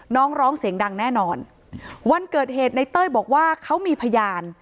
น้องร้องเสียงดังแน่นอนวันเกิดเหตุในเต้ยบอกว่าเขามีพยาน